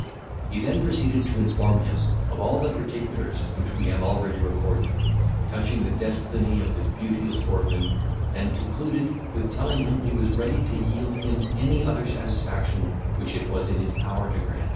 He then proceeded to inform him of all the particulars which we have already recorded, touching the destiny of the beauteous orphan, and concluded with telling him he was ready to yield him any other satisfaction which it was in his power to grant.